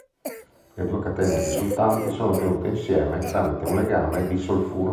Le due catene risultanti sono tenute insieme tramite un legame disolfuro.